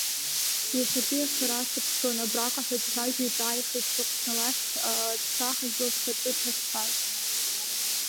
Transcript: Иахьатәи ашара сыԥшын абраҟа ҳәа дцәажәо иҿааихеит Шьахәсна лахь цахажәла зхаҿы ҭаҳәҳәаз.